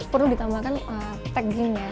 perlu ditambahkan taggingnya